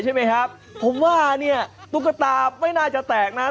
ใช่ไหมครับผมว่าเนี่ยตุ๊กตาไม่น่าจะแตกนะ